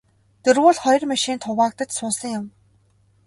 Дөрвүүл хоёр машинд хуваагдаж суусан юм.